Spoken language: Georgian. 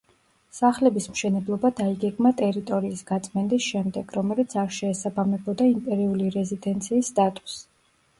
სახლების მშენებლობა დაიგეგმა ტერიტორიის გაწმენდის შემდეგ, რომელიც არ შეესაბამებოდა იმპერიული რეზიდენციის სტატუსს.